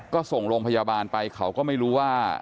ก็ส่งโรงพยาบาลไปเขาก็ไม่รู้ว่า